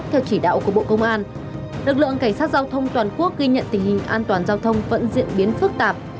theo chỉ đạo của bộ công an lực lượng cảnh sát giao thông toàn quốc ghi nhận tình hình an toàn giao thông vẫn diễn biến phức tạp